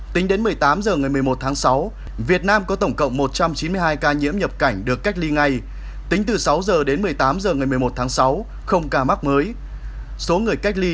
tính đến một mươi tám h ngày một mươi một tháng sáu việt nam có tổng cộng một trăm chín mươi hai ca nhiễm nhập cảnh được cách ly ngay tính từ sáu h đến một mươi tám h ngày một mươi một tháng sáu không ca mắc mới